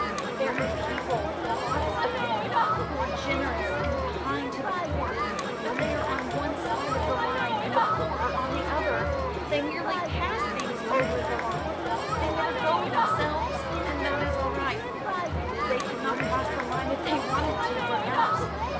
There are people, lots of them, who are generous and kind to the poor. But they are on one side of the line, and the poor are on the other. They merely pass things over the line they never go themselves. And that is all right. They could not cross the line if they wanted to, perhaps.